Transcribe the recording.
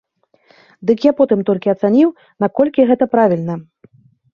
Дык я потым толькі ацаніў, наколькі гэта правільна.